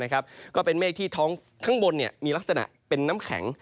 ก็เป็นเมฆที่ท้องข้างบนมีลักษณะเป็นน้ำแข็ง